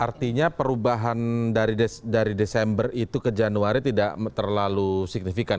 artinya perubahan dari desember itu ke januari tidak terlalu signifikan